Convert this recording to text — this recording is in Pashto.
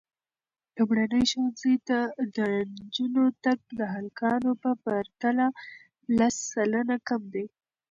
لومړني ښوونځي ته د نجونو تګ د هلکانو په پرتله لس سلنه کم دی.